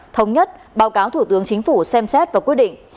thống nhất báo cáo thủ tướng chính phủ xem xét và quyết định